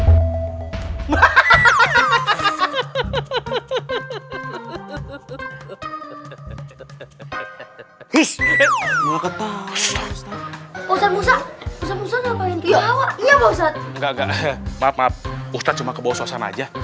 nggak usah usah ngapain iya nggak usah usah cuma kebososan aja